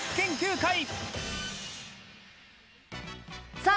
さあ